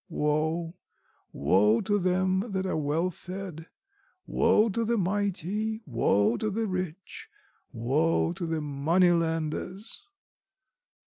Woe, woe to them that are well fed, woe to the mighty, woe to the rich, woe to the moneylenders!